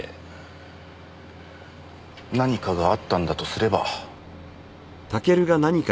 何かがあったんだとすれば。